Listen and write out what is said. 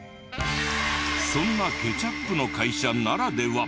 そんなケチャップの会社ならでは。